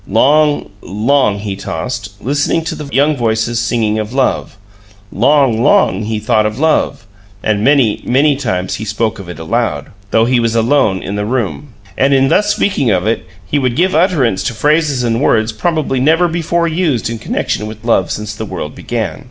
Long, long he tossed, listening to the young voices singing of love; long, long he thought of love, and many, many times he spoke of it aloud, though he was alone in the room. And in thus speaking of it, he would give utterance to phrases and words probably never before used in connection with love since the world began.